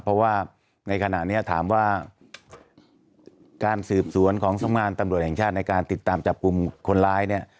เพราะว่าในขณะนี้ถามว่าการสืบสวนของสำงานตำรวจแห่งชาติในการติดตามจับกลุ่มคนร้ายเนี่ย